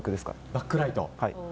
バックライト。